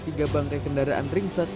tiga bangkai kendaraan ringset